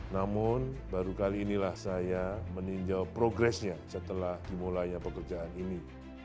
namun baru kali inilah saya meninjau progresnya setelah dimulainya pekerjaan ini